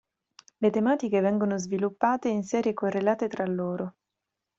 Le tematiche vengono sviluppate in serie correlate tra loro.